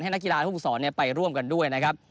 ให้นักกีฬาทุกศรไปร่วมกันด้วยนะครับ